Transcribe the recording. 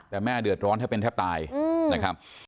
แต่แม่เดือดร้อนแทบเป็นแทบตายนะครับ